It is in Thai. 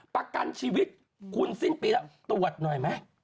ประกันชีวิตคุณสิ้นปีแล้วตรวจหน่อยไหม